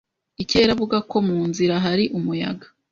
Ikirere avuga ko mu nzira hari umuyaga.